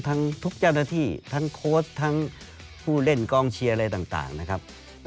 ทั้งทุกเจ้าหน้าที่ทั้งโค้ชทั้งผู้เล่นกองเชียร์อะไรต่างนะครับ